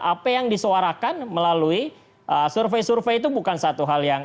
apa yang disuarakan melalui survei survei itu bukan satu hal yang